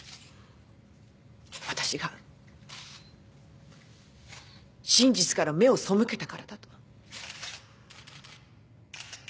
私が真実から目を背けたからだと。